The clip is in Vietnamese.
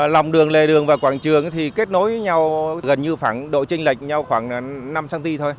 lòng đường lề đường và quảng trường kết nối với nhau gần như độ chinh lệch khoảng năm cm thôi